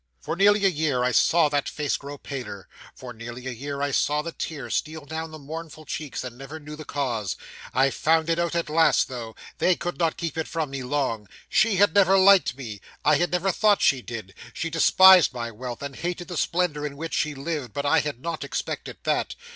'For nearly a year I saw that face grow paler; for nearly a year I saw the tears steal down the mournful cheeks, and never knew the cause. I found it out at last though. They could not keep it from me long. She had never liked me; I had never thought she did: she despised my wealth, and hated the splendour in which she lived; but I had not expected that.